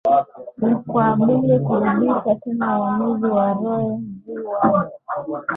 ni kwa bunge kurudisha tena uwamuzi wa Roe V Wade